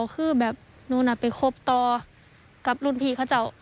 คือแบบหนูน่ะไปคบต่อกับรุ่นพี่เขาเจ้า